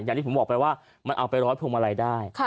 อย่างที่ผมบอกไปว่ามันเอาไปร้อยพวงมาลัยได้